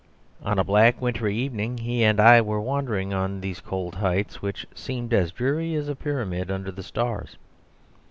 On a black wintry evening he and I were wandering on these cold heights, which seemed as dreary as a pyramid under the stars.